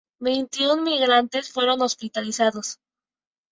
Veintiún migrantes fueron hospitalizados.